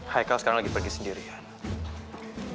hai kal sekarang lagi pergi sendirian